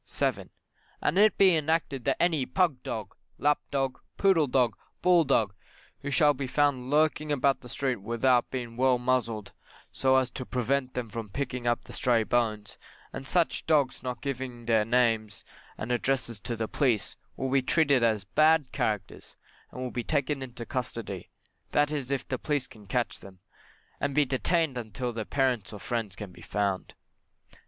7. And be it enacted that any pug dog, lap dog, poodle dog, bull dog, who shall be found lurking about the street without being well muzzled, so as to prevent them from picking up the stray bones; and such dogs not giving their names and address to the police will be treated as bad characters, and will be taken into custody, that is if the police can catch them and be detained until their parents or friends can be found.